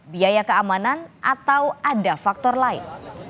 biaya keamanan atau ada faktor lain